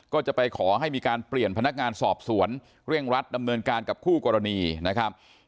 ก็จะไปขอให้มีการเปลี่ยนพนักงานสอบสวนเร่งรัดดำเนินการกับคู่กรณีนะครับ